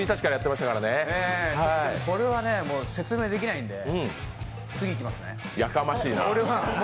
これは、説明できないんで次いきますね。